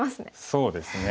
そうですね。